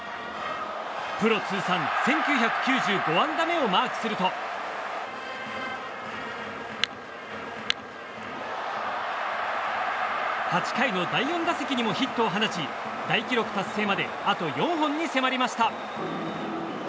プロ通算１９９５安打目をマークすると８回の第４打席にもヒットを放ち大記録達成まであと４本に迫りました。